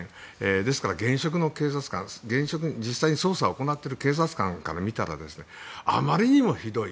ですから現職の実際に捜査を行っている警察官から見たらあまりにもひどい。